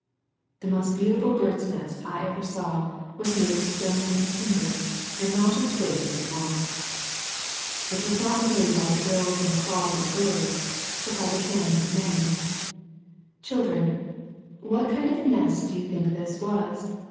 The most beautiful Bird's Nest I ever saw was made of stone and timber, and not of twigs and moss. It was not made by the bills and claws of birds, but by the hands of isaaxv. O^isisjofc^^ 90 SERMONS FOR CHILDREN. what kind of a nest do you think this was?